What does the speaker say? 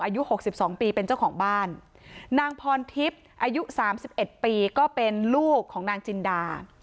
อายุหกสิบสองปีเป็นเจ้าของบ้านนางพรทิพย์อายุสามสิบเอ็ดปีก็เป็นลูกของนางจินดา